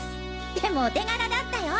でもお手柄だったよ。